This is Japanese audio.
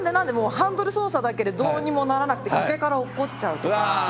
ハンドル操作だけでどうにもならなくて崖から落っこっちゃうとか。